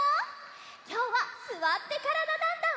きょうは「すわってからだ☆ダンダン」。